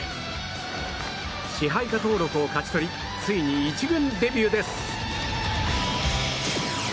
支配下登録を勝ち取りついに１軍デビューです。